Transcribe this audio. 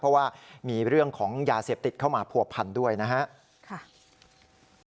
เพราะว่ามีเรื่องของยาเสพติดเข้ามาผัวพันด้วยนะครับ